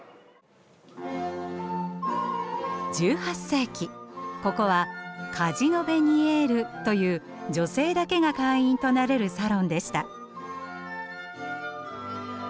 １８世紀ここはカジノ・ヴェニエールという女性だけが会員となれるサロンでした。